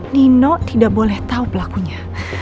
nino tidak boleh tahu pelakunya